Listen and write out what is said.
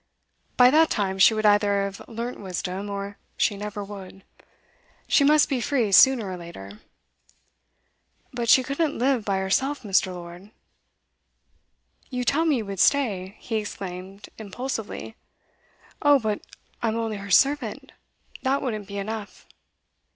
By that time she would either have learnt wisdom, or she never would. She must be free sooner or later.' 'But she couldn't live by herself, Mr. Lord.' 'You tell me you would stay,' he exclaimed impulsively. 'Oh, but I am only her servant. That wouldn't be enough.